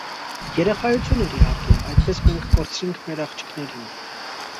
Երեխայություն էր, իհարկե, այդպես մենք կորցրինք մեր աղջիկներին։